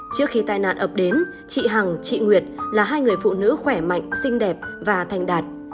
trước khi tai nạn ập đến chị hằng chị nguyệt là hai người phụ nữ khỏe mạnh xinh đẹp và thành đạt